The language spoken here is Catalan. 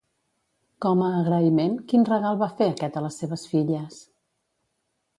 Com a agraïment, quin regal va fer aquest a les seves filles?